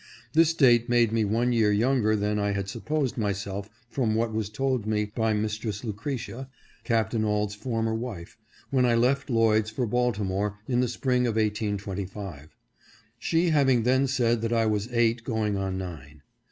This date made me one year younger than I had supposed myself from what was told me by Mistress Lucretia, Captain Auld's former wife, when I left Lloyd's for Baltimore in the Spring of 1825 ; she having then said that I was eight, going on nine.